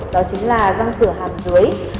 đó chính là răng cửa hàm dưới